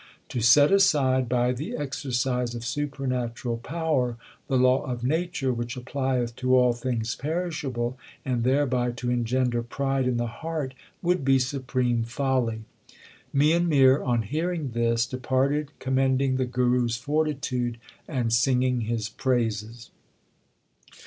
To set aside by the exercise of supernatural power the law of nature which applieth to all things perishable, and thereby to engender pride in the heart, would be supreme folly/ Mian Mir on hearing this departed commending the Guru s fortitude and singing his praises.